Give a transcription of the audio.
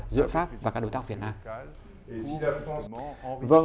giữa pháp và các đối tác việt nam